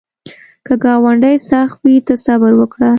که ګاونډی سخت وي، ته صبر وکړه